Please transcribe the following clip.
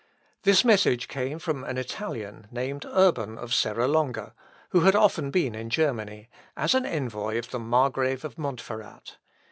This message came from an Italian named Urban of Serra Longa, who had often been in Germany, as envoy of the Margrave of Montferrat.